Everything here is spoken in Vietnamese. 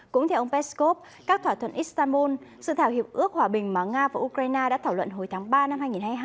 cũng theo ông peskov các thỏa thuận istanbul sự thảo hiệp ước hòa bình mà nga và ukraine đã thảo luận hồi tháng ba năm hai nghìn hai mươi hai